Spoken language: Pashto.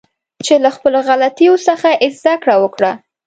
چې له خپلو غلطیو څخه زده کړه وکړه